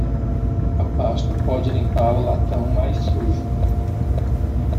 A pasta pode limpar o latão mais sujo.